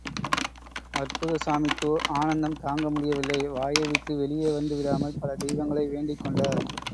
அற்புதசாமிக்கோ ஆனந்தம் தாங்க முடியவில்லை, வாயை விட்டு வெளியே வந்து விடாமல், பல தெய்வங்களை வேண்டிச் கொண்டார்.